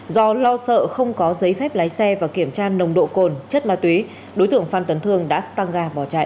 do lo sợ không có giấy phép lái xe và kiểm tra nồng độ cồn chất ma túy đối tượng phan tấn thương đã tăng ga bỏ chạy